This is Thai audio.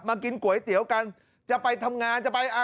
กินก๋วยเตี๋ยวกันจะไปทำงานจะไป